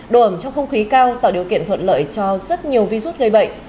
độ ẩm trong không khí cao tạo điều kiện thuận lợi cho rất nhiều virus gây bệnh